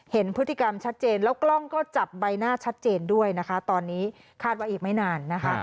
เห็นพฤติกรรมชัดเจนแล้วกล้องก็จับใบหน้าชัดเจนด้วยนะคะตอนนี้คาดว่าอีกไม่นานนะคะ